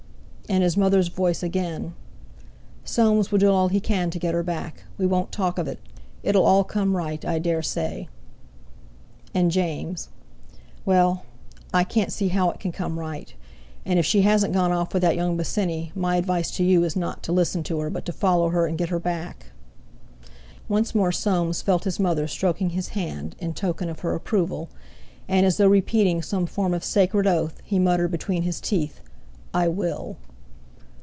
And his mother's voice again: "Soames will do all he can to get her back. We won't talk of it. It'll all come right, I dare say." And James: "Well, I can't see how it can come right. And if she hasn't gone off with that young Bosinney, my advice to you is not to listen to her, but to follow her and get her back." Once more Soames felt his mother stroking his hand, in token of her approval, and as though repeating some form of sacred oath, he muttered between his teeth: "I will!"